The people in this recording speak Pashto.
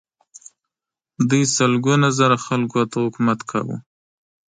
دوی سلګونه زره خلکو ته حکومت کاوه.